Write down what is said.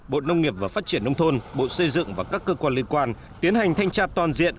bộ nông nghiệp và phát triển nông thôn bộ xây dựng và các cơ quan liên quan tiến hành thanh tra toàn diện